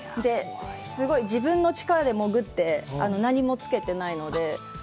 自分の力で潜って、何もつけてないので。